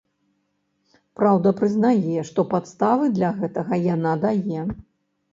Праўда, прызнае, што падставы для гэтага яна дае.